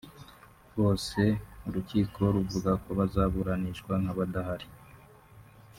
bose urukiko ruvuga ko bazaburanishwa nk’abadahari